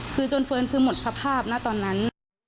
คือจนเฟิร์นคือหมดสภาพนะตอนนั้น